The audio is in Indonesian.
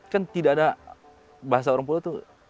kan tidak ada bahasa orang pula itu